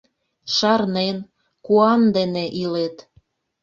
Шарнен, куан дене илет.